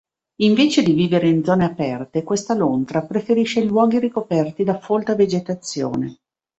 Invece di vivere in zone aperte, questa lontra preferisce luoghi ricoperti da folta vegetazione.